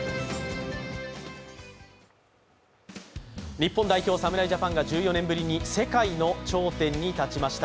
日本代表、侍ジャパンが１４年ぶりに世界の頂点に立ちました。